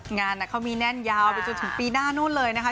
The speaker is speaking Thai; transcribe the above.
งานเขามีแน่นยาวไปจนถึงปีหน้านู้นเลยนะคะ